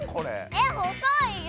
え細いよ！